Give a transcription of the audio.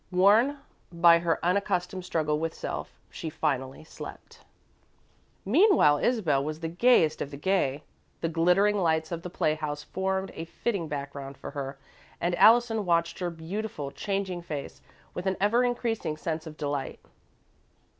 Worn by her unaccustomed struggle with self, she finally slept. Meanwhile, Isabel was the gayest of the gay. The glittering lights of the playhouse formed a fitting background for her, and Allison watched her beautiful, changing face with an ever increasing sense of delight.